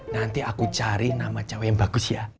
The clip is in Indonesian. nanti aku cari nama cewek yang bagus ya